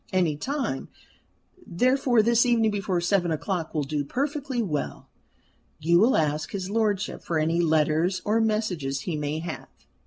Any time, therefore, this evening before seven o'clock will do perfectly well. You will ask his lordship for any letters or messages he may have."